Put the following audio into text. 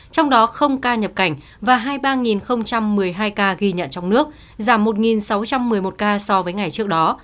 trong đó không ca nhập cảnh và hai mươi ba một mươi hai ca ghi nhận trong nước giảm một sáu trăm một mươi một ca so với ngày trước đó